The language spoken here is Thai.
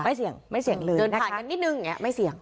ว่าเดินผ่านกันนิดนึง